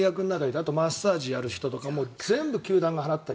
あとマッサージをやる人とかも全部球団が払ったり。